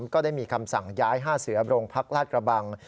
ก็ได้มีคำสั่งย้าย๕เสือโรงพักลาดกระบัง